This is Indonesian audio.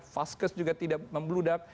faskes juga tidak membludak